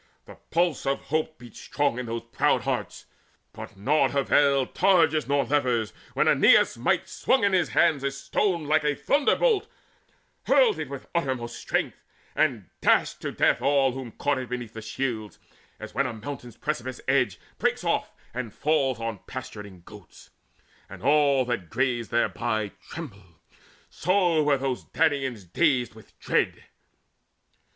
The pulse of hope Beat strong in those proud hearts. But naught availed Targes nor levers, when Aeneas' might Swung in his hands a stone like a thunderbolt, Hurled it with uttermost strength, and dashed to death All whom it caught beneath the shields, as when A mountain's precipice edge breaks off and falls On pasturing goats, and all that graze thereby Tremble; so were those Danaans dazed with dread.